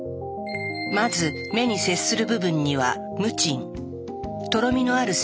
まず目に接する部分には「ムチン」。